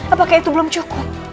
apakah itu belum cukup